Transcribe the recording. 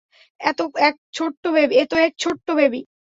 এতো এক ছোট্ট বেবী।